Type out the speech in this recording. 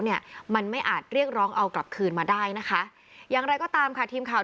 เนี่ยมันไม่อาจเรียกร้องเอากลับคืนมาได้นะคะอย่างไรก็ตามค่ะทีมข่าว